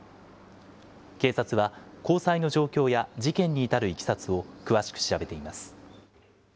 警察は交際の状況や事件に至るいきさつを詳しく調べています。